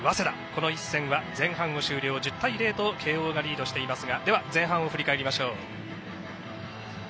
この一戦は、前半を終了１０対０と慶応がリードしていますが前半を振り返りましょう。